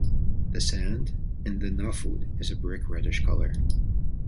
The sand in the Nafud is a brick reddish color.